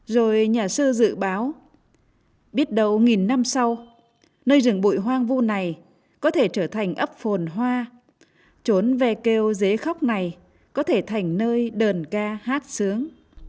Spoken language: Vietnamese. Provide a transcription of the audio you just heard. rồi nhà sư dự báo biết đầu nghìn năm sau nơi rừng bụi hoang vu này có thể trở thành ấp phồn hoa trốn về kêu dế khóc này có thể thành nơi đờn ca hát sướng